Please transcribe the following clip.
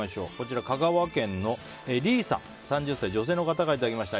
香川県の３０歳、女性の方からいただきました。